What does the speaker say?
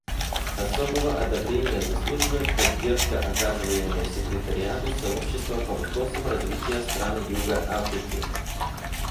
Особого одобрения заслуживает поддержка, оказываемая секретариату Сообщества по вопросам развития стран юга Африки.